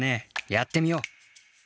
やってみよう。